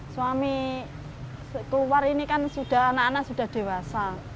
suami keluar ini kan sudah anak anak sudah dewasa